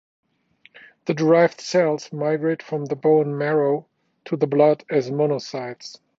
The derived cells migrate from the bone marrow to the blood as monocytes.